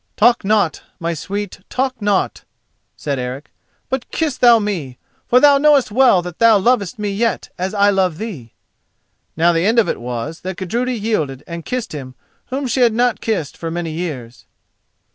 "Talk not, my sweet; talk not," said Eric, "but kiss thou me: for thou knowest well that thou lovest me yet as I love thee." Now the end of it was that Gudruda yielded and kissed him whom she had not kissed for many years.